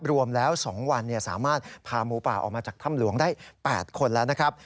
รวมแล้ว๒วันสามารถพาหมูป่าออกมาจากถ้ำหลวงได้๘คนแล้วนะครับ